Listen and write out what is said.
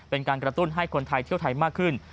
เป็นการกระตุ้นให้คนไทยเที่ยวไทยมากขึ้น